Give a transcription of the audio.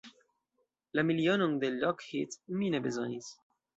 La milionon de Lockheed mi ne bezonis.